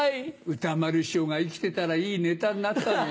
歌丸師匠が生きてたらいいネタになったのに。